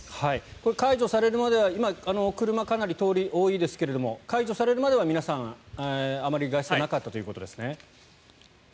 これ、解除されるまでは今、車の通りかなり多いですが解除されるまでは皆さんあまり外出はなかったということですね？